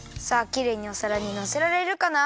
きれいにおさらにのせられるかな？